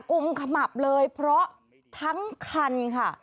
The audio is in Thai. ุมขมับเลยเพราะทั้งคันค่ะ